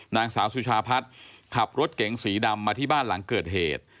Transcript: นางสาวสุชาพัฒน์ขับรถเก๋งสีดำมาที่บ้านหลังเกิดเหตุ